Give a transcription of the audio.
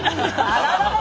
あらららら。